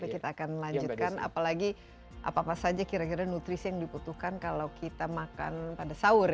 kita akan melanjutkan apalagi apa apa saja kira kira nutrisi yang dibutuhkan kalau kita makan pada sahur ya